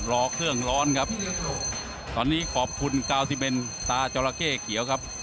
รอกเท่องร้อนครับตอนนี้ขอบคุณ๙๑ตาเจาะระเก้เกียวครับ